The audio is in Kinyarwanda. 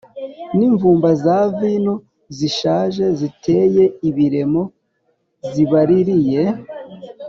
N imvumba za vino zishaje ziteye ibiremo zibaririye